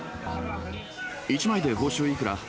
１枚で報酬いくら？